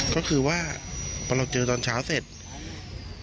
ก็คือว่าพอเราเจอตอนเช้าเสร็จ